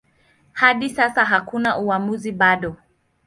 Hadi sasa hakuna uamuzi bado.